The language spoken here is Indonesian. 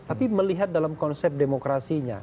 tapi melihat dalam konsep demokrasinya